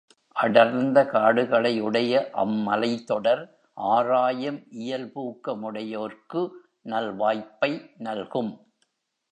அடர்ந்த காடுகளையுடைய அம் மலைத்தொடர், ஆராயும் இயல்பூக்கமுடையோர்க்கு நல்வாய்ப்பை நல்கும்.